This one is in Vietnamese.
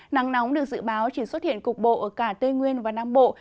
nắng nóng được dự báo chỉ xuất hiện cục bộ ở cả tây nguyên và nam bộ